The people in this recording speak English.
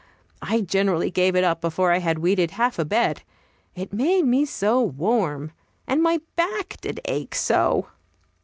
I generally gave it up before I had weeded half a bed. It made me so warm! and my back did ache so!